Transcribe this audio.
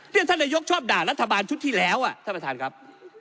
ท่านนายกชอบด่ารัฐบาลชุดที่แล้วท่านประธานครับ